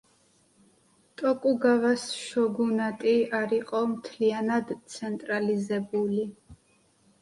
ტოკუგავას შოგუნატი არ იყო მთლიანად ცენტრალიზებული.